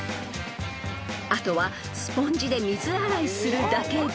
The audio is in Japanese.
［あとはスポンジで水洗いするだけで］